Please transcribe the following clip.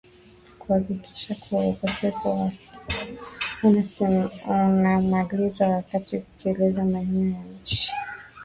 kuhakikisha kuwa ukosefu wa haki unamalizwa wakati wakiendeleza maendeleo ya nchi